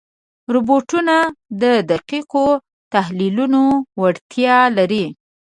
روبوټونه د دقیقو تحلیلونو وړتیا لري.